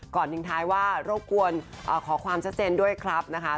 ก่อนถึงท้ายว่ารบกวนขอความเชื่อเซ็นด้วยครับนะคะ